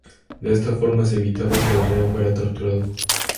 De esta forma se evitaba que el reo fuera torturado.